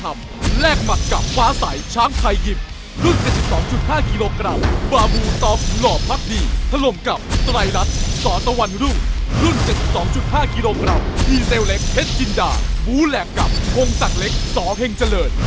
โรงศักดิ์เล็กสอเฮงเจริญ